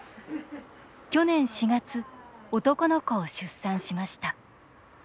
去年４月男の子を出産しました。